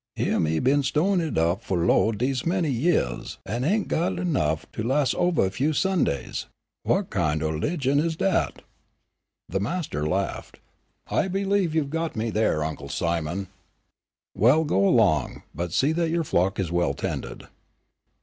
Hyeah me been sto'in' it up fu' lo, dese many yeahs an' ain' got enough to las' ovah a few Sundays. What kin' o' u'ligion is dat?" The master laughed, "I believe you've got me there, Uncle Simon; well go along, but see that your flock is well tended."